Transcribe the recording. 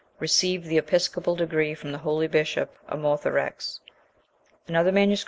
"Received the episcopal degree from the holy bishop Amatheorex." Another MS.